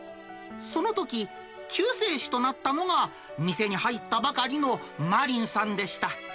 そのとき、救世主となったのが店に入ったばかりの真凜さんでした。